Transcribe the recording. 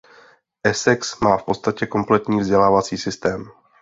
Essex má v podstatě kompletní vzdělávací systém.